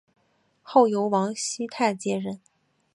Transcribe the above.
后由王熙泰接任。